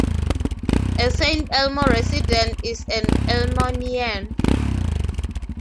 A Saint Elmo resident is an 'Elmoian'.